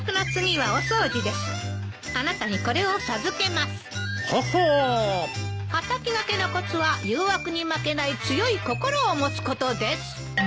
はたきがけのコツは誘惑に負けない強い心を持つことです。